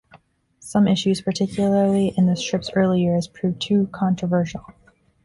Some issues, particularly in the strip's early years, proved too controversial.